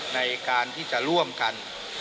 ในการที่จะร่วมกัน